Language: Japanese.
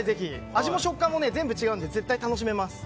味も食感も違うので楽しめます。